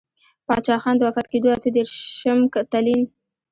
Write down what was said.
پــاچــاخــان د وفــات کـېـدو اته درېرشم تـلـيـن.